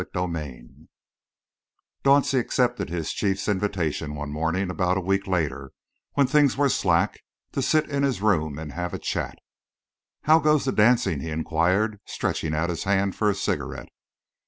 CHAPTER XII Dauncey accepted his chief's invitation, one morning about a week later, when things were slack, to sit in his room and have a chat. "How goes the dancing?" he enquired, stretching out his hand for a cigarette.